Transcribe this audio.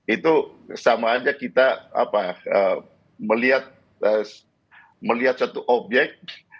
itu sama aja kita melihat satu obyek